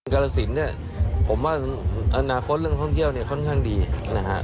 กรสินผมว่าอนาคตเรื่องท่องเกี่ยวค่อนข้างดีนะฮะ